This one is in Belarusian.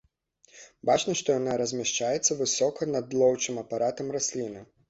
Бачна, што яна размяшчаецца высока над лоўчым апаратам расліны.